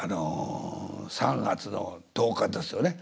３月の１０日ですよね。